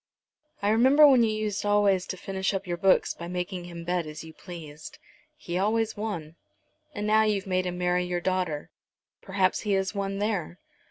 I remember when you used always to finish up your books by making him bet as you pleased." "He always won." "And now you've made him marry your daughter. Perhaps he has won there.